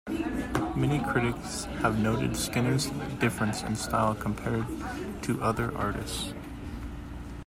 Many critics have noted Skinner's difference in style compared to other artists.